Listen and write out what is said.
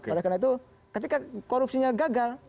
oleh karena itu ketika korupsinya gagal